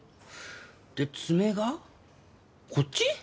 で爪がこっち？